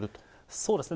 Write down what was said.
そうですね。